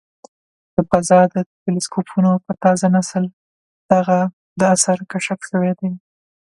د فضا د ټیلسکوپونو په تازه نسل دغه د عصر کشف شوی دی.